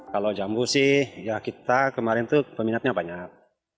kalau jambu sih ya kita kemarin tuh peminatnya banyak